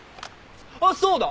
あっそうだ！